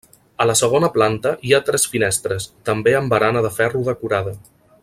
A la segona planta hi ha tres finestres, també amb barana de ferro decorada.